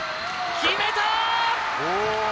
決めた！